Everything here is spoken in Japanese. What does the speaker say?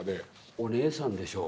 お姉さんでしょう。